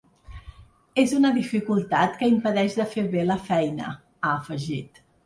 És una dificultat que impedeix de fer bé la feina, ha afegit.